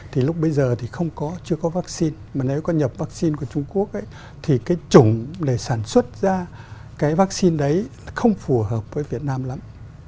thì lúc bây giờ thì không có chưa có vắc xin mà nếu có nhập vắc xin của trung quốc thì cái chủng để sản xuất ra cái vắc xin đấy không phù hợp với việt nam lắm